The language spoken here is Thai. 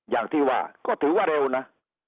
อย่างที่ว่าก็ถือว่าเร็วนะ